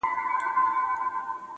بیا خِلوت دی او بیا زه یم بیا ماښام دی,